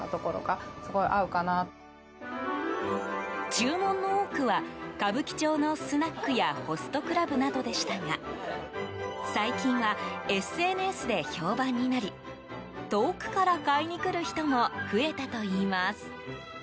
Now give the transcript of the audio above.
注文の多くは歌舞伎町のスナックやホストクラブなどでしたが最近は、ＳＮＳで評判になり遠くから買いに来る人も増えたといいます。